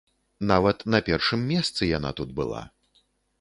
Нават на першым месцы яна тут была.